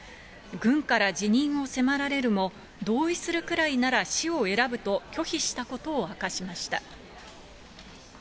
軍から辞任を迫られるも、同意するくらいなら死を選ぶと拒否したことを明かしました。